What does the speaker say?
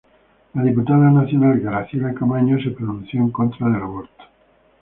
La diputada nacional Graciela Camaño se pronunció en contra del aborto.